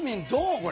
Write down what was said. これ。